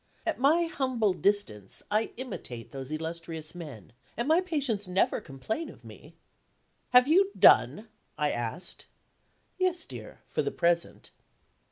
At my humble distance, I imitate those illustrious men, and my patients never complain of me." "Have you done?" I asked. "Yes, dear for the present."